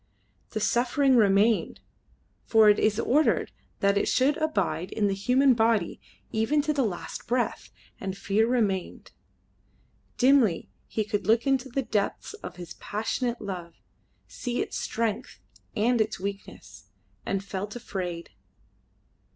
The suffering remained, for it is ordered that it should abide in the human body even to the last breath, and fear remained. Dimly he could look into the depths of his passionate love, see its strength and its weakness, and felt afraid.